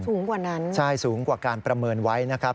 สูงกว่านั้นใช่สูงกว่าการประเมินไว้นะครับ